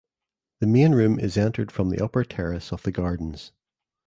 The main room is entered from the upper terrace of the gardens.